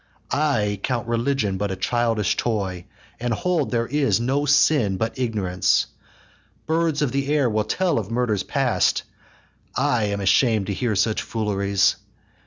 I count religion but a childish toy, And hold there is no sin but ignorance. Birds of the air will tell of murders past! I am asham'd to hear such fooleries.